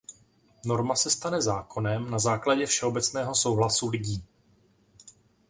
Norma se stane zákonem na základě všeobecného souhlasu lidí.